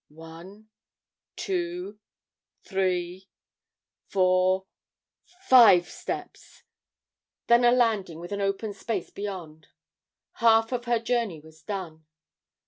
One, two, three, four, five steps! Then a landing with an open space beyond. Half of her journey was done.